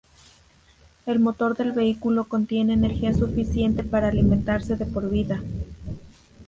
El motor del vehículo contiene energía suficiente para alimentarse de por vida.